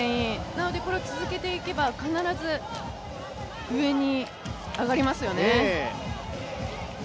なのでこれを続けていけば、必ず上にあがりますよね。